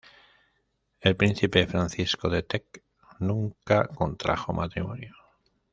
El príncipe Francisco de Teck nunca contrajo matrimonio.